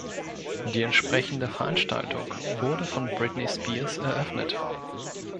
Die entsprechende Veranstaltung wurde von Britney Spears eröffnet.